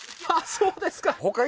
そうですか